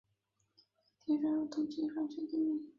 滨田山是东京都杉并区的地名。